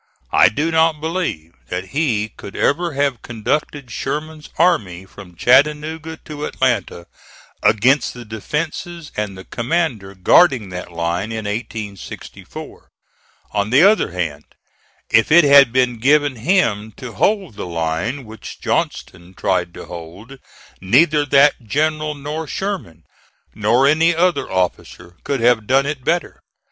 I do not believe that he could ever have conducted Sherman's army from Chattanooga to Atlanta against the defences and the commander guarding that line in 1864. On the other hand, if it had been given him to hold the line which Johnston tried to hold, neither that general nor Sherman, nor any other officer could have done it better.